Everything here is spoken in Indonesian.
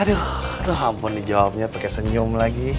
aduh ampun nih jawabnya pake senyum lagi